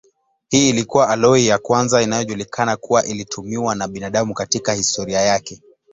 Hii ilikuwa aloi ya kwanza inayojulikana kuwa ilitumiwa na binadamu katika historia yake.